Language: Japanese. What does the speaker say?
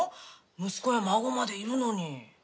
息子や孫までいるのに。